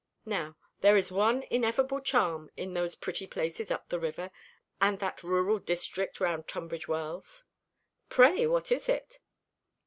Now, there is one ineffable charm in those pretty places up the river, and that rural district round Tunbridge Wells." "Pray what is that?"